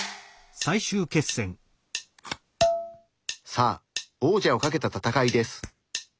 さあ王者をかけた戦いです。